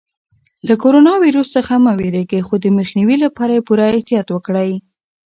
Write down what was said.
له کرونا ویروس څخه مه وېرېږئ خو د مخنیوي لپاره یې پوره احتیاط وکړئ.